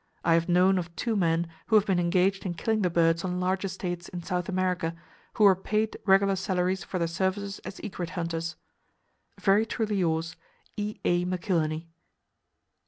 I have known of two men who have been engaged in killing the birds on large estates in South America, who were paid regular salaries for their services as egret hunters. Very truly yours, E.A. McIlhenny.